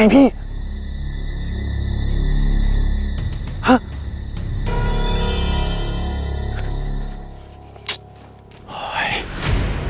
รู้หรือเปล่าพี่